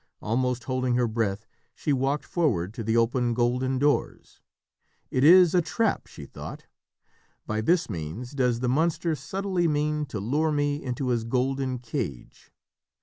Almost holding her breath, she walked forward to the open golden doors. "It is a trap," she thought. "By this means does the monster subtly mean to lure me into his golden cage."